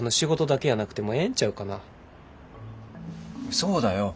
そうだよ。